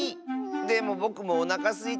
でもぼくもおなかすいた。